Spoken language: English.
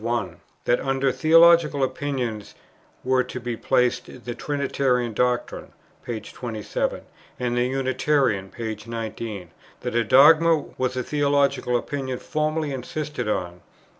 1; that under Theological Opinion were to be placed the Trinitarian doctrine, p. 27, and the Unitarian, p. 19; that a dogma was a theological opinion formally insisted on, pp.